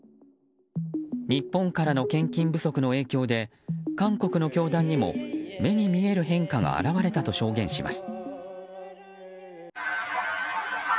日本からの献金不足の影響で韓国の教団にも目に見える変化が表れたと証言します。